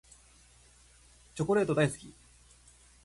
チョコレート大好き。